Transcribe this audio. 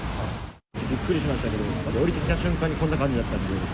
びっくりしましたけど、下りてきた瞬間に、こんな感じだったので。